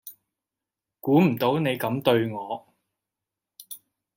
估唔到你咁對我